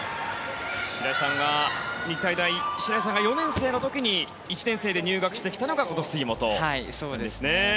白井さんが日体大４年生の時に１年生で入学してきたのが杉本ですね。